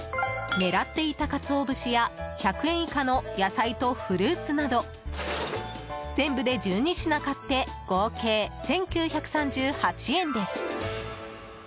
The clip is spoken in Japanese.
狙っていたカツオ節や１００円以下の野菜とフルーツなど全部で１２品買って合計１９３８円です。